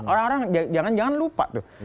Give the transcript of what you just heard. orang orang jangan jangan lupa tuh